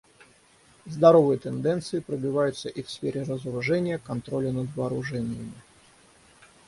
Здоровые тенденции пробиваются и в сфере разоружения, контроля над вооружениями.